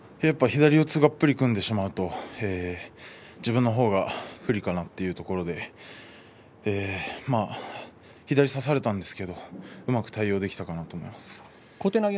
左四つがっぷり組んでしまうと自分の方が不利かなというところで左、差されたんですけどもうまく対応できたかなと思います。